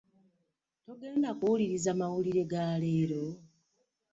Togenda kuwuliriza mawulire ga leero?